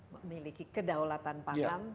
memiliki kedaulatan paham